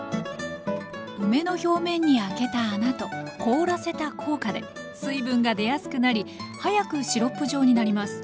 梅の表面に開けた穴と凍らせた効果で水分が出やすくなり早くシロップ状になります。